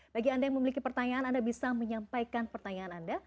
bagi anda yang memiliki pertanyaan anda bisa menyampaikan pertanyaan anda